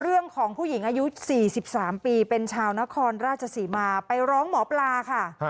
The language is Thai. เรื่องของผู้หญิงอายุ๔๓ปีเป็นชาวนครราชศรีมาไปร้องหมอปลาค่ะ